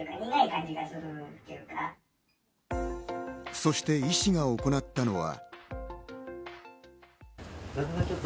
そして医師が行ったのは。